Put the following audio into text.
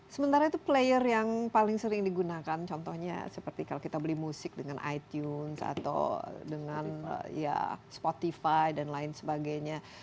sementara itu player yang paling sering digunakan contohnya seperti kalau kita beli musik dengan itunes atau dengan ya spotify dan lain sebagainya